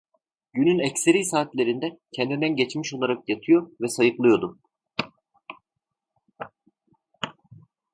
Günün ekseri saatlerinde kendinden geçmiş olarak yatıyor ve sayıklıyordu.